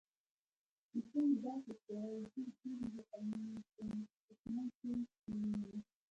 پیشو مې داسې په ځیر ګوري لکه کوم شکمن شی چې ویني.